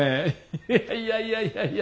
いやいやいやいやいや。